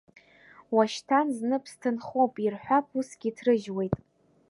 Уашьҭан зны ԥсҭынхоуп, ирҳәап, усгьы иҭрыжьуеит.